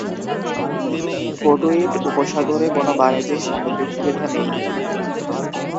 কটুইট উপসাগরে কোন বাণিজ্যিক সামুদ্রিক সুবিধা নেই।